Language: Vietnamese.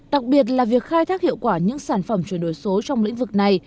đặc biệt là việc khai thác hiệu quả những sản phẩm chuyển đổi số trong lĩnh vực này